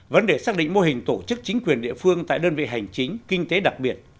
vấn đề xác định mô hình tổ chức chính quyền địa phương tại đơn vị hành chính kinh tế đặc biệt